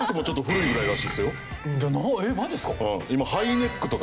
えっマジっすか？